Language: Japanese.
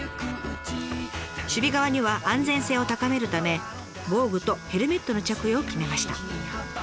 守備側には安全性を高めるため防具とヘルメットの着用を決めました。